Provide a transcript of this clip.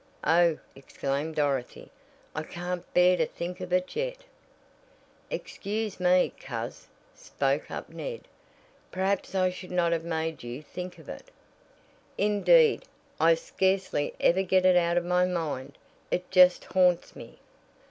Oh!" exclaimed Dorothy, "I can't bear to think of it yet." "Excuse me, coz," spoke up Ned, "perhaps I should not have made you think of it." "Indeed, I scarcely ever get it out of my mind. It just haunts me."